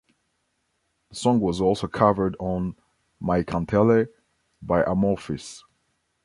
The song was also covered on "My Kantele" by Amorphis.